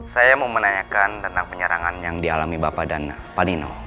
saya mau menanyakan tentang penyerangan yang dialami bapak dan pak nino